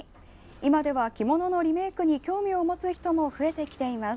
今では着物のリメークに興味を持つ人も増えてきています。